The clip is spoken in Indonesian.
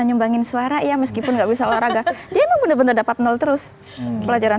nyumbangin suara ya meskipun nggak bisa olahraga dia emang bener bener dapat nol terus pelajaran